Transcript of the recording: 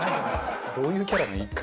どういうキャラですか。